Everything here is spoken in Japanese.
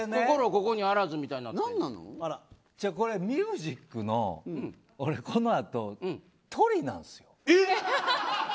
ここにあらずみたいなこれ、ミュージックのこの後トリなんですよ。